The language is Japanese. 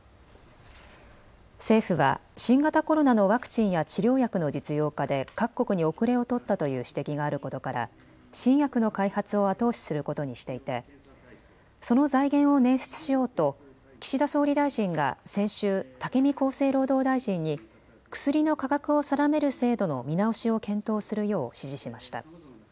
政府は新型コロナのワクチンや治療薬の実用化で各国に後れを取ったという指摘があることから新薬の開発を後押しすることにしていてその財源を捻出しようと岸田総理大臣が先週、武見厚生労働大臣に薬の価格を定める制度の見直しを検討するよう指示しました。